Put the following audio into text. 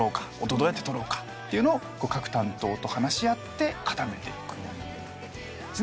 「音どうやってとろうか」を各担当と話し合って固めていく。